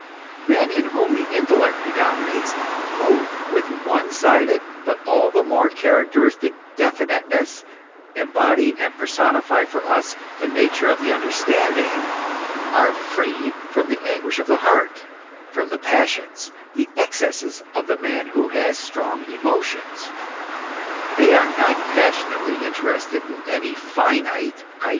Men in whom the intellect predominates, who with one sided but all the more characteristic definiteness, embody and personify for us the nature of the understanding, are free from the anguish of the heart, from the passions, the excesses of the man who has strong emotions ; they are not passionately interested in any finite, i.